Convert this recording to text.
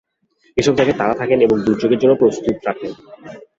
এসব জায়গায় তাঁরা থাকেন এবং দুর্যোগের জন্য প্রস্তুত রাখেন।